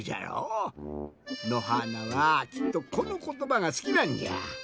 のはーなはきっとこのことばがすきなんじゃ。